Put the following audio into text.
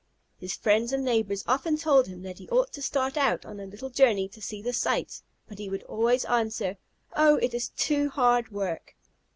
His friends and neighbors often told him that he ought to start out on a little journey to see the sights, but he would always answer, "Oh, it is too hard work!"